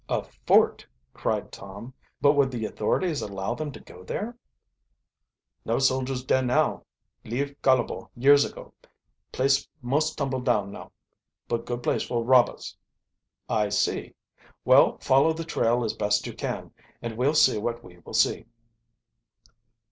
"A fort!" cried Tom. "But would the authorities allow, them to go there?" "No soldiers dare now leave kolobo years ago. Place most tumble down now. But good place fo' robbers." "I see. Well, follow the trail as best you can and we'll see what we will see."